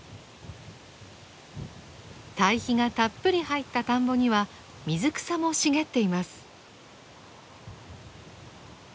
堆肥がたっぷり入った田んぼには水草も茂っています。